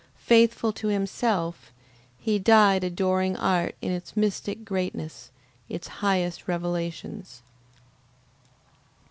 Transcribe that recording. Faithful to himself, he died adoring art in its mystic greatness, its highest revelations.